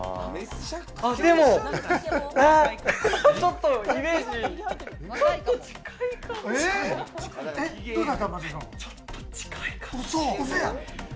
でも、ちょっとイメージ、ちょっと近いかも。